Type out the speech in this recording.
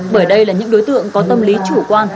bởi đây là những đối tượng có tâm lý chủ quan